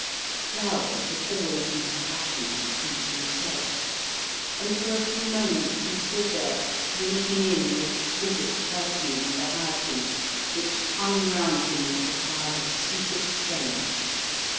Flowers had always been a passion with (Seek him self, and for a few moments he stood there drinking in the exquisite perfume of the hyacinths which hung round him like a cloud of sweetest scent.